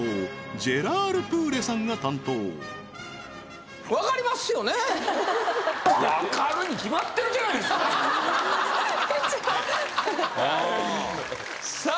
ジェラール・プーレさんが担当ははははっうんさあ